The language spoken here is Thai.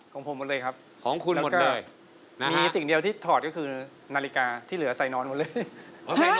ของผมหมดเลยครับของคุณหมดเลยมีสิ่งเดียวที่ถอดก็คือนาฬิกาที่เหลือใส่นอนหมดเลย